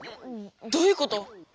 どういうこと？